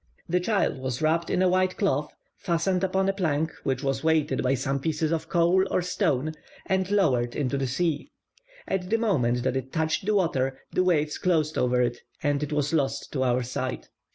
The child was wrapped in a white cloth, fastened upon a plank, which was weighted by some pieces of coal or stone, and lowered into the sea. At the moment that it touched the water, the waves closed over it, and it was lost to our sight.